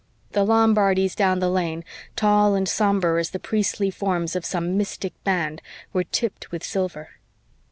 The Lombardies down the lane, tall and sombre as the priestly forms of some mystic band, were tipped with silver.